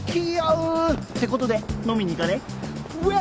てことで飲みに行かねえ？